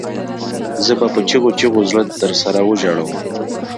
زه به په چیغو چیغو زړه درسره وژړوم